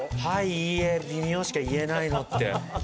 はいいいえ微妙しか言えないのって。